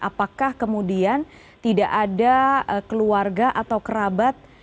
apakah kemudian tidak ada keluarga atau kerabat